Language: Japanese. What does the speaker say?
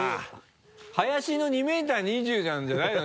林の２ｍ２０ｃｍなんじゃないの？